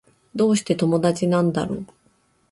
どうして友達なんだろう